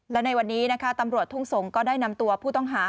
และในวันนี้นะคะตำรวจทุ่งสงศ์ก็ได้นำตัวผู้ต้องหา